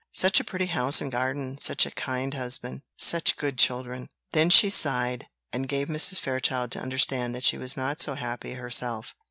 Such a pretty house and garden! such a kind husband! such good children!" Then she sighed, and gave Mrs. Fairchild to understand that she was not so happy herself.